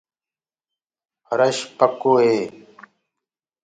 ڦرش پڪو هي۔